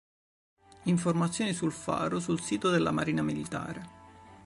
Informazioni sul faro sul sito della Marina Militare.